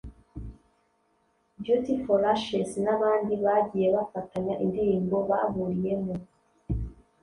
Beauty For Ashes n’abandi bagiye bafatanya indirimbo bahuriyemo